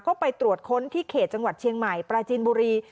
ก็ไปตรวจค้นที่เขตจังหวัดเชียงใหม่ปราจินบุรี